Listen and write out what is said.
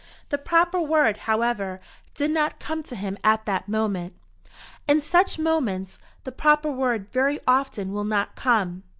The proper word, however, did not come to him at that moment. In such moments the proper word very often will not come.